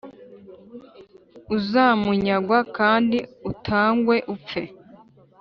uzamunyagwa kandi utangwe upfe"